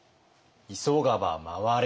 「急がば回れ！」。